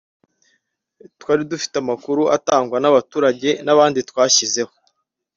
twari dufite amakuru atangwa n’abaturage n’abandi twashyizeho